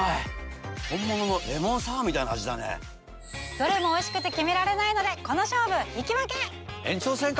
どれもおいしくて決められないのでこの勝負引き分け！延長戦か？